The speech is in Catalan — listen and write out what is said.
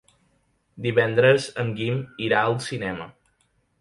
Divendres en Guim irà al cinema.